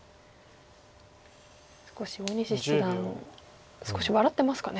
少し大西七段少し笑ってますかね。